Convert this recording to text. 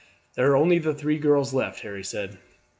"There are only the three girls left," Harry said.